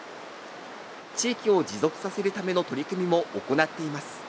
地域を持続させるための取り組みも行っています。